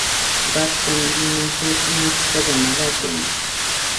Bart conoce una chica llamada Jenny.